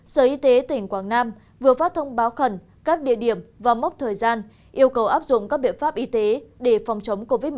sở y tế tỉnh quảng nam vừa phát thông báo khẩn các địa điểm và mốc thời gian yêu cầu áp dụng các biện pháp y tế để phòng chống covid một mươi chín